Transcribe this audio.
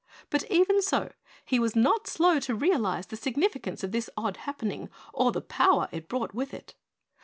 But even so, he was not slow to realize the significance of this odd happening or the power it brought with it.